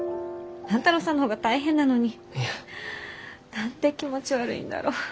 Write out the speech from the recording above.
何で気持ち悪いんだろう？